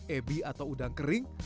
ebi atau udang kering